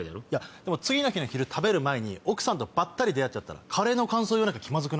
でも次の日の昼食べる前に奥さんとばったり出会ったらカレーの感想言わなきゃ気まずい。